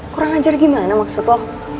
kurang ajar gimana maksud lo